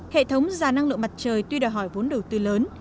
hệ thống già năng lượng mặt trời tuy đòi hỏi vốn đầu tư lớn